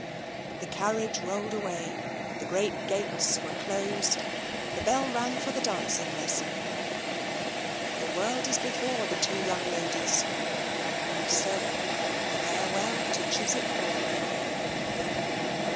The carriage rolled away; the great gates were closed; the bell rang for the dancing lesson. The world is before the two young ladies; and so, farewell to Chiswick Mall.